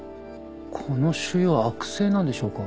この腫瘍悪性なんでしょうか？